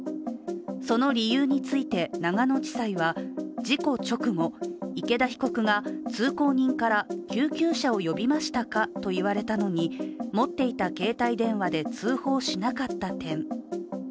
その理由について長野地裁は、事故直後、池田被告が通行人から救急車を呼びましたかと言われたのに持っていた携帯電話で通報しなかった点。